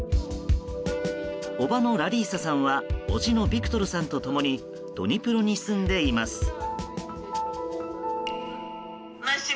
叔母のラリーサさんは叔父のビクトルさんと共にドニプロに住んでいます。